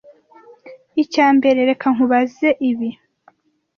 Icyambere, reka nkubaze ibi.